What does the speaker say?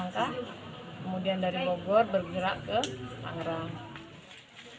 kemudian dari bogor bergerak ke tangerang